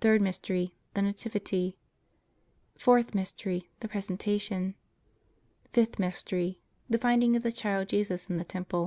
Third Mystery. The Nativity. Fourth Mystery. The Presentation. Fifth Mystery. The Finding of the Child Jesus in the Temple.